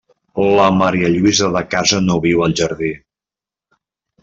La marialluïsa de casa no viu al jardí.